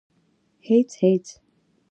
_هېڅ ، هېڅ.